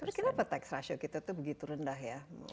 terus kenapa tax ratio kita begitu rendah ya